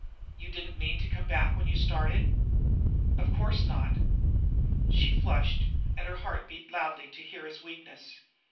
"You didn't mean to come back when you started?" "Of course not." She flushed, and her heart beat loudly to hear his weakness.